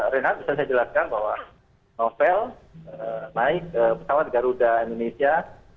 reinhard bisa saya jelaskan bahwa novel naik pesawat garuda indonesia